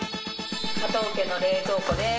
加藤家の冷蔵庫です。